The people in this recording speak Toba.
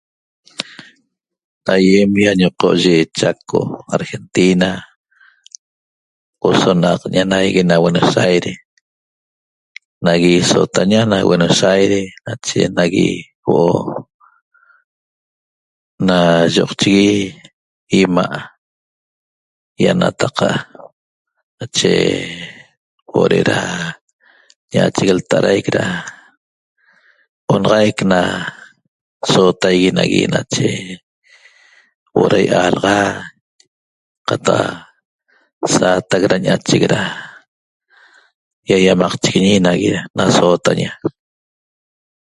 Aiem inñoco ye chaco argentina huoo so na ñenague na buenos aires naie na sotela na buenos aires nache naie huoo na yocchegue imaa' ienataca nache huoo de daa ñacheq l'taaraiq da onaxaiq na sotaa nahie nache huoo da ialaxa cataq da sa axateq da ñacheq iaiamaqchichiguiñe na sotaña